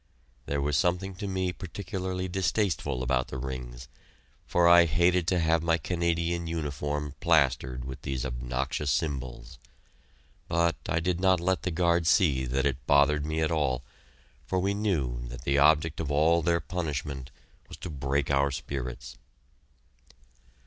There was something to me particularly distasteful about the rings, for I hated to have my Canadian uniform plastered with these obnoxious symbols. But I did not let the guards see that it bothered me at all, for we knew that the object of all their punishment was to break our spirits.